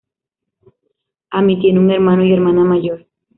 Ami tiene un hermano y hermana mayor.